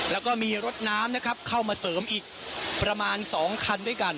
แล้วก็มีรถน้ำนะครับเข้ามาเสริมอีกประมาณ๒คันด้วยกัน